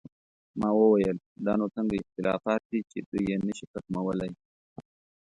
ما وویل: دا نو څنګه اختلافات دي چې دوی یې نه شي ختمولی؟